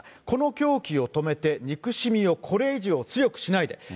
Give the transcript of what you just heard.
この狂気を止めて憎しみをこれ以上強くしないで。